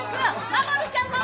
まもるちゃんも！